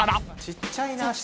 ちっちゃいな下。